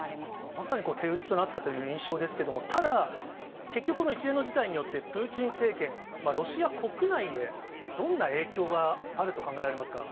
まさに手打ちとなったという印象ですけれども、ただ、結局この一連の事態によって、プーチン政権、ロシア国内へ、どんな影響があると考えられますか。